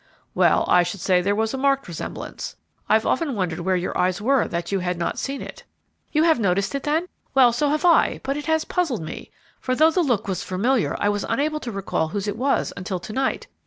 "Well, I should say there was a marked resemblance. I've often wondered where your eyes were that you had not seen it." "You have noticed it, then? Well, so have I; but it has puzzled me, for, though the look was familiar, I was unable to recall whose it was until to night.